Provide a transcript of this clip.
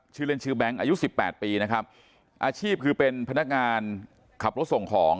ชื่อเล่นชื่อแบงค์อายุสิบแปดปีนะครับอาชีพคือเป็นพนักงานขับรถส่งของ